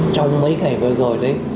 trong mấy ngày vừa rồi đấy